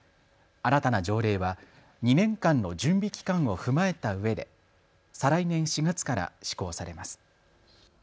新たな条例は２年間の準備期間を踏まえたうえで再来年４月から施行されます。